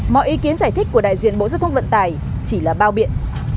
mọi ý kiến giải thích của đại diện bộ giới thông vận tài chỉ là bao biện